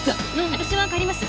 私は帰ります。